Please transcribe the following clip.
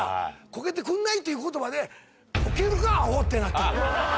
「コケてくんない？」っていう言葉で。ってなった。